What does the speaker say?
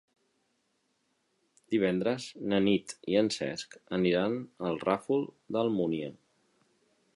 Divendres na Nit i en Cesc aniran al Ràfol d'Almúnia.